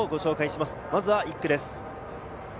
まずは１区です。